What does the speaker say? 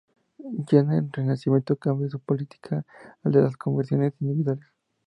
Ya en el renacimiento cambia su política a la de las conversiones individuales.